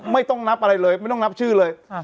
ไม่ต้องนับอะไรเลยไม่ต้องนับชื่อเลย